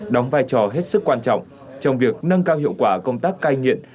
đóng vai trò hết sức quan trọng trong việc nâng cao hiệu quả công tác cai nghiện